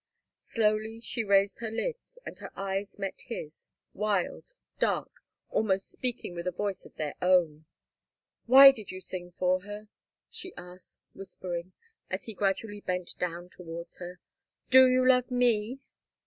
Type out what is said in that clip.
Slowly she raised her lids, and her eyes met his, wild, dark, almost speaking with a voice of their own. "Why did you sing for her?" she asked, whispering, as he gradually bent down towards her. "Do you love me?"